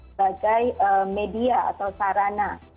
sebagai media atau sarana